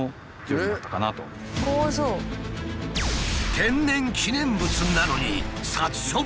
天然記念物なのに殺処分！？